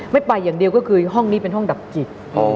ไม่ไปอย่างเดียวก็คือห้องนี้เป็นห้องดับจิต